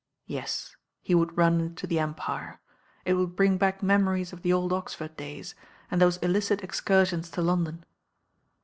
Yes, he would run into the Empire. It would bring back memories of the old Oxford days, and those illicit excursions to London.